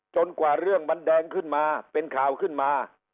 กว่าเรื่องมันแดงขึ้นมาเป็นข่าวขึ้นมา